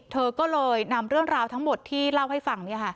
เธอก็เลยนำเรื่องราวทั้งหมดที่เล่าให้ฟัง